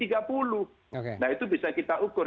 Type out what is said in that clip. nah itu bisa kita ukur